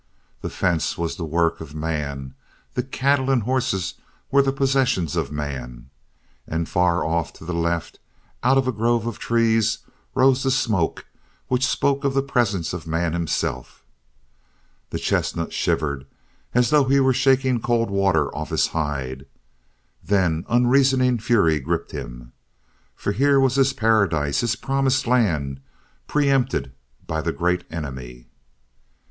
The fence was the work of man, the cattle and horses were the possessions of man, and far off to the left, out of a grove of trees, rose the smoke which spoke of the presence of man himself. The chestnut shivered as though he were shaking cold water off his hide, and then unreasoning fury gripped him. For here was his paradise, his Promised Land, pre empted by the Great Enemy!